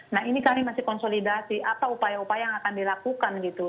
nah ini kami masih konsolidasi apa upaya upaya yang akan dilakukan gitu